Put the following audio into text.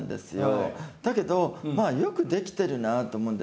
だけどまあよくできてるなと思うんですね。